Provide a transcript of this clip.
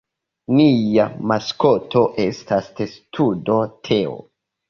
Nia maskoto estas testudo Teo.